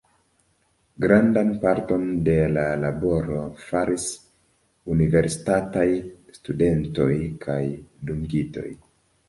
Grandan parton de la laboro faris universitataj studentoj kaj dungitoj.